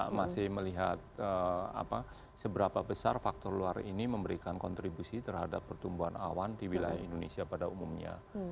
kita masih melihat seberapa besar faktor luar ini memberikan kontribusi terhadap pertumbuhan awan di wilayah indonesia pada umumnya